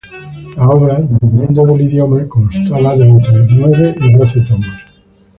La obra, dependiendo del idioma, constaba de entre nueve y doce tomos.